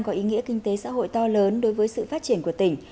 có ý nghĩa kinh tế xã hội to lớn đối với sự phát triển của tỉnh